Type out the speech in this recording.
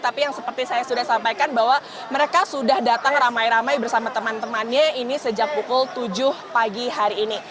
tapi yang seperti saya sudah sampaikan bahwa mereka sudah datang ramai ramai bersama teman temannya ini sejak pukul tujuh pagi hari ini